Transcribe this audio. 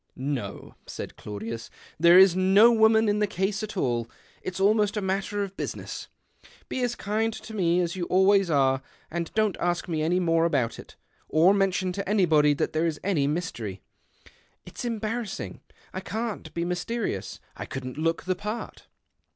" No," said Claudius, " there is no w^oman in the case at all. It's almost a matter of business. Be as kind to me as you always j re, and don't ask me any more about it, or iiiention to anybody that there is any mystery. [t's embarrassing. I can't be mysterious. [ couldn't look the part."